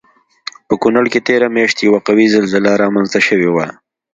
په کنړ کې تېره میاشت یوه قوي زلزله رامنځته شوی وه